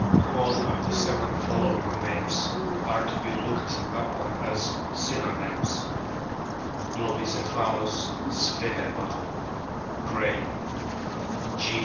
All of the seven following names are to be looked upon as synonyms : Globicephalus svineval, Gray ; G.